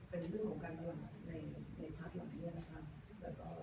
เหมือนกันไม่ได้เปลี่ยนกันเหมือนเดิมเลยค่ะเป็นสิบแปดต่อคุณ